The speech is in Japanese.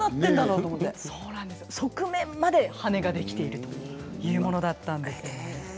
側面まで羽根ができているというものだったんですよね。